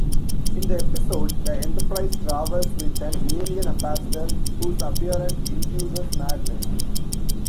In the episode, the "Enterprise" travels with an alien ambassador whose appearance induces madness.